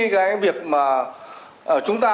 cái việc mà chúng ta